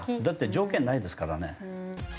だって条件ないですからね。